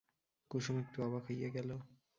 কুসুম একটু অবাক হইয়া গেল।